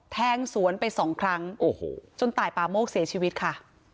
แทงสวนไปสองครั้งโอ้โหจนตายป่าโมกเสียชีวิตค่ะ